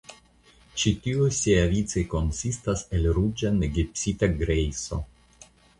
Ĉi tio siavice konsistas el ruĝa negipsita grejso.